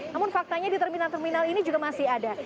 namun faktanya di terminal terminal ini juga masih ada